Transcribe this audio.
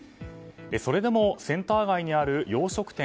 それでもセンター街にある洋食店